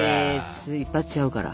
一発ちゃうから。